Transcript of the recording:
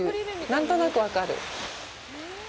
何となく分かる。